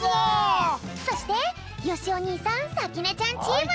そしてよしお兄さんさきねちゃんチーム！